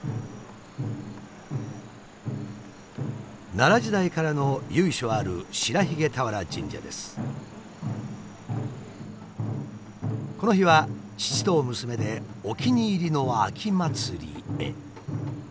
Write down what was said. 奈良時代からの由緒あるこの日は父と娘でお気に入りの秋祭りへ。